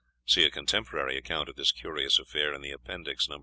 See a contemporary account of this curious affair in the Appendix, No.